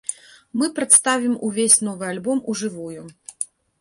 Мы прадставім увесь новы альбом у жывую.